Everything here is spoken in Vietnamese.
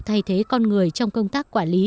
thay thế con người trong công tác quản lý